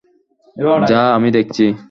যা, আমি দেখছি।